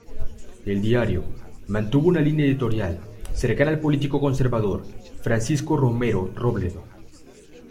El diario mantuvo una línea editorial cercana al político conservador Francisco Romero Robledo.